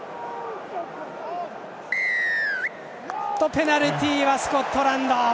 ペナルティーはスコットランド！